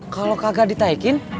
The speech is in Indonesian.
kalo kagak ditaikin